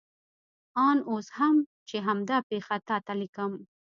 آن اوس هم چې همدا پېښه تا ته لیکم.